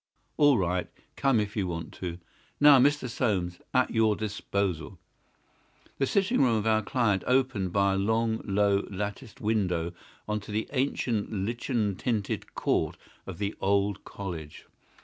All right; come if you want to. Now, Mr. Soames—at your disposal!" The sitting room of our client opened by a long, low, latticed window on to the ancient lichen tinted court of the old college.